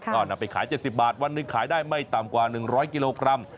ก็นำไปขาย๗๐บาทวันหนึ่งขายได้ไม่ต่ำกว่า๑๐๐กิโลกรัม